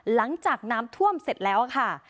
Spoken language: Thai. หลังจากน้ำท่วมเสร็จแล้วค่ะ